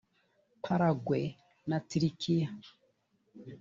Paraguay na Turikiya